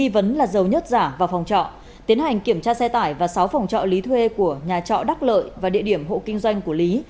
tấn là dầu nhớt giả và phòng trọ tiến hành kiểm tra xe tải và sáu phòng trọ lý thuê của nhà trọ đắc lợi và địa điểm hộ kinh doanh của lý